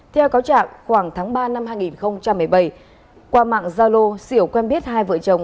theo cáo trạng khoảng tháng ba năm hai nghìn một mươi bảy qua mạng zalo xỉu quen biết hai vợ chồng